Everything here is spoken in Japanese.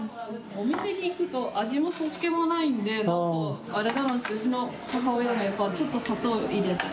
お店に行くと味もそっけもないんで燭あれだろうしウチの母親もやっぱちょっと砂糖入れて。